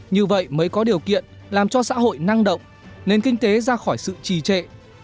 như vậy mới có điều kiện làm cho xã hội năng động nền kinh tế ra khỏi sự trì trệ